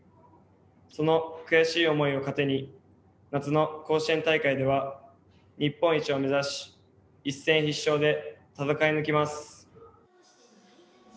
その悔しい思いを糧に夏の甲子園大会では日本一を目指し一戦必勝で戦い抜きます。